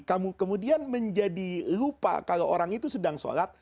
kamu kemudian menjadi lupa kalau orang itu sedang sholat